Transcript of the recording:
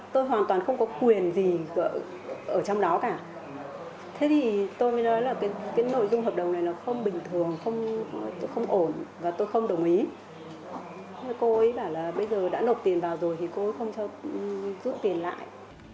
tôi không cho giữ tiền lại